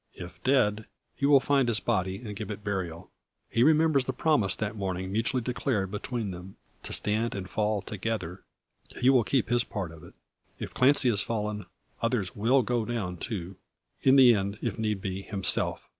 If dead, he will find his body, and give it burial. He remembers the promise that morning mutually declared between them to stand and fall together he will keep his part of it. If Clancy has fallen, others will go down too; in the end, if need be, himself.